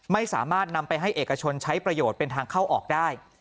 ไม่สามารถนำไปให้เอกชนใช้ประโยชน์เป็นทางเข้าออกได้